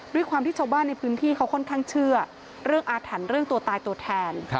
ด้วยความที่ชาวบ้านในพื้นที่เขาค่อนข้างเชื่อเรื่องอาถรรพ์เรื่องตัวตายตัวแทน